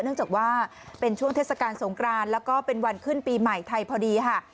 เนื่องจากว่าเป็นช่วงเทศกาลสงครานแล้วก็เป็นวันขึ้นปีใหม่ไทยพอดีค่ะ